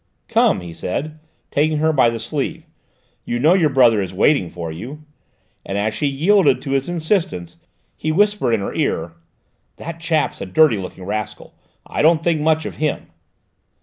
"Come," he said, taking her by the sleeve, "you know your brother is waiting for you," and as she yielded to his insistence he whispered in her ear, "That chap's a dirty looking rascal: I don't think much of him!"